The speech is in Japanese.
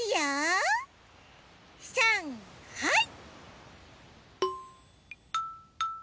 さんはい！